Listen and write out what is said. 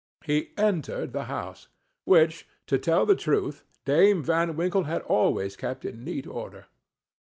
He entered the house, which, to tell the truth, Dame Van Winkle had always kept in neat order.